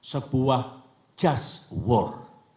sebuah just war